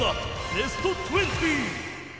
ベスト２０